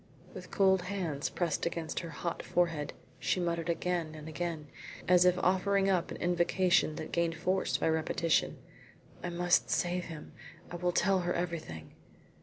With cold hands pressed against her hot forehead, she muttered again and again, as if offering up an invocation that gained force by repetition: "I must save him. I will tell her everything."